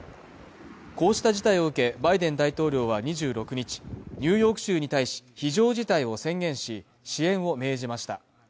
こうした事態を受けバイデン大統領は２６日ニューヨーク州に対し非常事態を宣言し支援を命じました